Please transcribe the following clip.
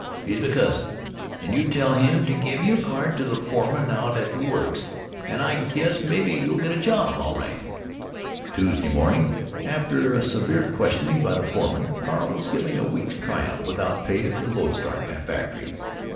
He's me cousin, and you tell him to give you a card to the foreman out at the works, and I guess maybe you'll get a job, all right." Tuesday morning, after a severe questioning by the foreman, Carl was given a week's try out without pay at the Lodestar factory.